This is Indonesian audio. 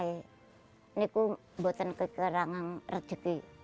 ini buatan kekerangan rezeki